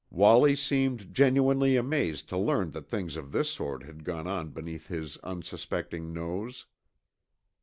Wallie seemed genuinely amazed to learn that things of this sort had gone on beneath his unsuspecting nose.